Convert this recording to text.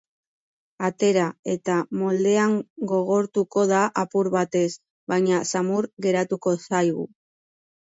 Atera eta moldean gogortuko da apur batez, baina samur geratuko zaigu.